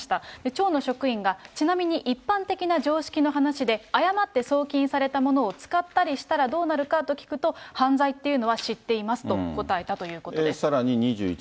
町の職員が、ちなみに一般的な常識の話で、誤って送金されたものを使ったりしたらどうなるかと聞くと、犯罪っていうのは知っていますと答えたということです。